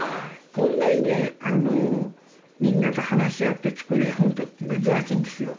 こんなにねあのみんなと話し合って作る絵本って僕珍しいんですよ。